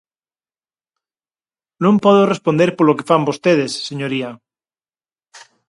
Non podo responder polo que fan vostedes, señoría.